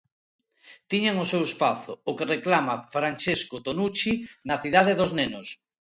Tiñan o seu espazo, o que reclama Francesco Tonucci na Cidade dos nenos.